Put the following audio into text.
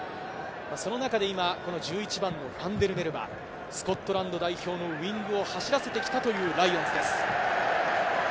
その中で今１１番のファンデルメルヴァ、スコットランド代表ウイングを走らせてきたという、ライオンズです。